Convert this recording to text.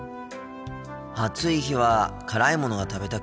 暑い日は辛いものが食べたくなるんだよな。